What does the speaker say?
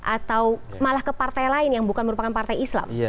atau malah ke partai lain yang bukan merupakan partai islam